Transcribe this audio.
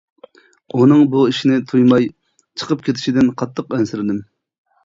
ئۇنىڭ بۇ ئىشنى تۇيماي، چىقىپ كېتىشىدىن قاتتىق ئەنسىرىدىم.